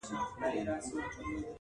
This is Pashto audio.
پرېږده چي تڼاکي مي اوبه کم په اغزیو کي-